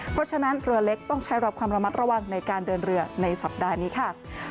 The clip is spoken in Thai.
เพราะฉะนั้นเรือเล็กต้องใช้รับความระมัดระวังในการเดินเรือในสัปดาห์นี้ค่ะ